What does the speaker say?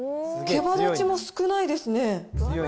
けばだちも少ないですね。